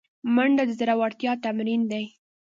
منډه د زړورتیا تمرین دی